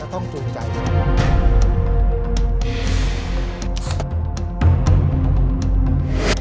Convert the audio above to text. เราต้องเรียกกระทรวงการกีฬาออกมาจากกระทรวงการท่องเที่ยวค่ะ